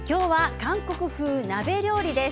今日は韓国風鍋料理です。